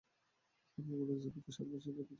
তারপর মানুষ দুর্ভিক্ষের সাত বছরে পতিত হয়।